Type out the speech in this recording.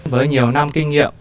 với nhiều năm kinh nghiệm